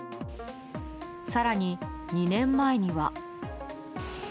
更に、２年前には。